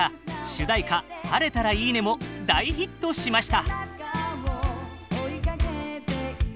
「晴れたらいいね」も大ヒットしました。